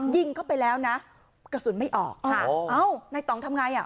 ยิงเข้าไปแล้วนะกระสุนไม่ออกค่ะเอ้านายต่องทำไงอ่ะ